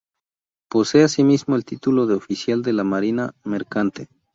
Posee asimismo el título de oficial de la Marina Mercante.